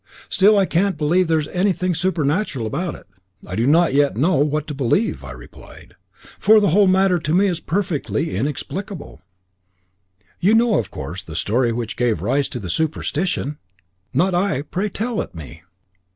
Still, I can't believe that there's hanything supernatural about it." "I do not yet know what to believe," I replied, "for the whole matter is to me perfectly inexplicable." "You know, of course, the story which gave rise to the superstition?" "Not I. Pray tell it me."